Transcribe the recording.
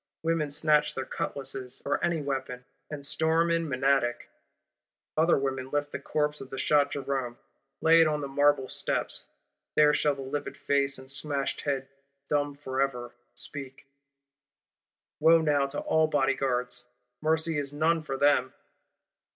Women snatch their cutlasses, or any weapon, and storm in Menadic:—other women lift the corpse of shot Jerôme; lay it down on the Marble steps; there shall the livid face and smashed head, dumb for ever, speak. Wo now to all Bodyguards, mercy is none for them!